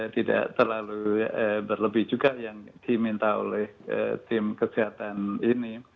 tidak terlalu berlebih juga yang diminta oleh tim kesehatan ini